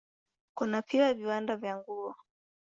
Kuna pia viwanda vya nguo.